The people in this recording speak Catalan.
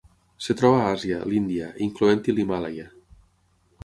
Es troba a Àsia: l'Índia, incloent-hi l'Himàlaia.